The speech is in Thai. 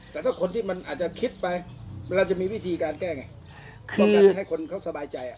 แต่ถ้าคนที่มันอาจจะคิดไปเวลาจะมีวิธีการแก้ไงป้องกันให้คนเขาสบายใจ